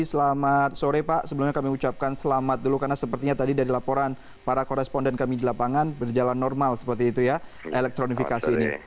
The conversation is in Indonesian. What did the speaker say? selamat sore pak sebelumnya kami ucapkan selamat dulu karena sepertinya tadi dari laporan para koresponden kami di lapangan berjalan normal seperti itu ya elektronifikasi ini